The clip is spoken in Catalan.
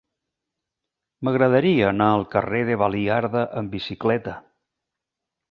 M'agradaria anar al carrer de Baliarda amb bicicleta.